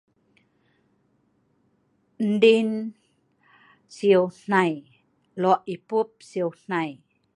Diin siu hnai, lok ipup siu hnai,